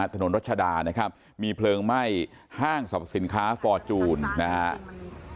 ถนนรัชดานะครับมีเพลิงไหม้ห้างสรรพสินค้าฟอร์จูนนะครับ